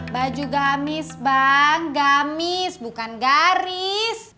baju gamis bang gamis bukan garis